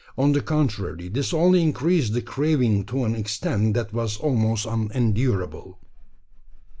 On the contrary, this only increased the craving to an extent that was almost unendurable.